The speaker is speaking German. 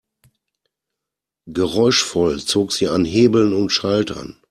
Geräuschvoll zog sie an Hebeln und Schaltern.